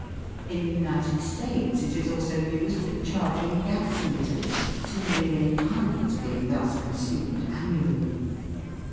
In the United States it is also used for charging gas meters, two million pounds being thus consumed annually.